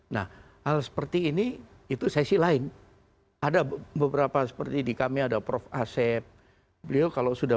nah hal seperti ini itu sesi lain ada beberapa seperti di kami ada prof asep beliau kalau sudah